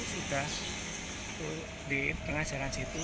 sudah di tengah jalan situ